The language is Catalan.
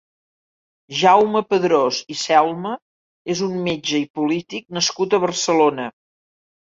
Jaume Padrós i Selma és un metge i polític nascut a Barcelona.